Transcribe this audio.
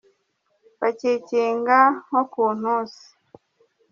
Bakikinga nko ku ntusi